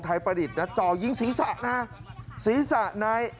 ถ่ายประดิษฐ์นะจอยิงศีรษะ